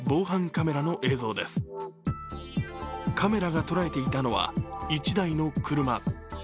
カメラが捉えていたのは１台の車。